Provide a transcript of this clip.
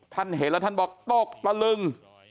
ท่านเห็นแล้วท่านบอกตกตะลึง